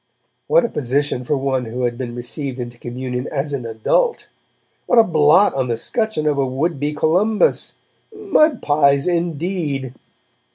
What a position for one who had been received into communion 'as an adult'! What a blot on the scutcheon of a would be Columbus! 'Mud pies', indeed!